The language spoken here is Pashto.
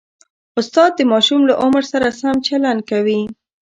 استاد د ماشوم له عمر سره سم چلند کوي.